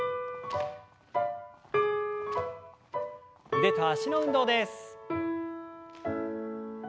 腕と脚の運動です。